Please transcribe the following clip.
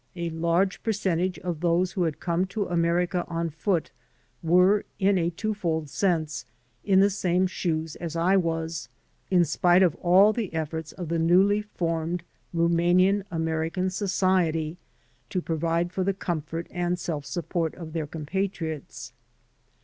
A large percentage of those who had come to America on foot were, in a twofold sense, in the same shoes as I was, in spite of all the efforts of the newly formed Rumanian American Society to provide for the comfort and self support of their compatriots.